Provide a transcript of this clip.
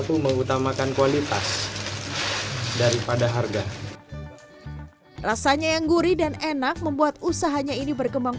mampu mengutamakan kualitas daripada harga rasanya yang gurih dan enak membuat usahanya ini berkembang